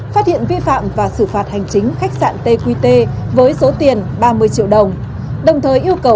và đến nay cũng là khách sạn duy nhất mở trên địa bàn